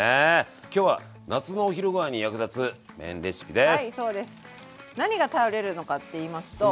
きょうは夏のお昼ごはんに役立つ麺レシピです。